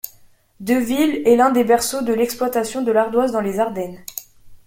Deville est l'un des berceaux de l'exploitation de l'ardoise dans les Ardennes.